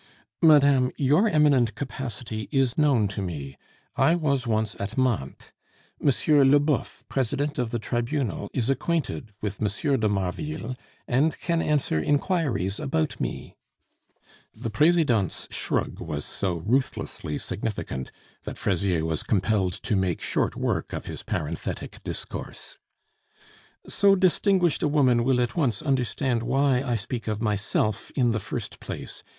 "Madame, your eminent capacity is known to me; I was once at Mantes. M. Leboeuf, President of the Tribunal, is acquainted with M. de Marville, and can answer inquiries about me " The Presidente's shrug was so ruthlessly significant, that Fraisier was compelled to make short work of his parenthetic discourse. "So distinguished a woman will at once understand why I speak of myself in the first place.